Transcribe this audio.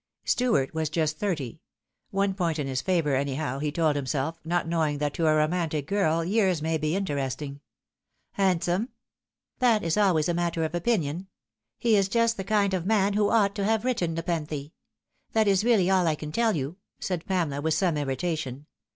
Stuart was just thirty. One point in his favour, anyhow, he told himself, not knowing that to a romantic girl years may be interesting. " Handsome ?"" That is always a matter of opinion. He is just the kind of man who ought to have written Nepenthe. That is really all I can tell you," said Pamela, with some irritation.